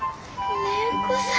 蓮子さん。